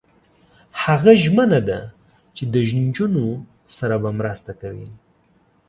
هغه ژمنه ده چې له نجونو سره به مرسته کوي.